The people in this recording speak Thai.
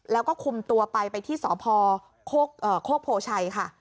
แล้วก็คุมตัวไปไปที่สพโคกโพชัยค่ะ